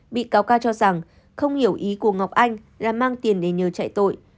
bị cáo ca cho rằng không hiểu ý của ngọc anh là mang tiền để nhờ chạy tội